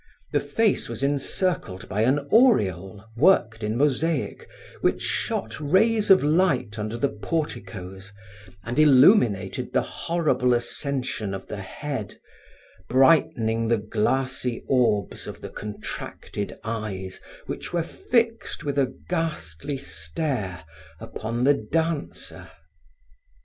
The face was encircled by an aureole worked in mosaic, which shot rays of light under the porticos and illuminated the horrible ascension of the head, brightening the glassy orbs of the contracted eyes which were fixed with a ghastly stare upon the dancer.